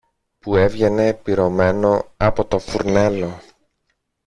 που έβγαινε πυρωμένο από το φουρνέλο.